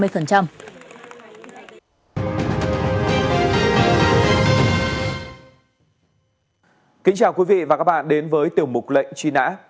kính chào quý vị và các bạn đến với tiểu mục lệnh truy nã